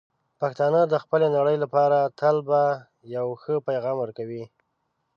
پښتانه د خپلې نړۍ لپاره تل به یو ښه پېغام ورکوي.